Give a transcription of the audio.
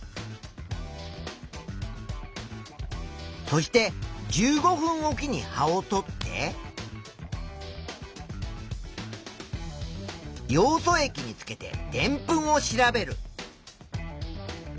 そして１５分おきに葉をとってヨウ素液につけてでんぷんを調べる。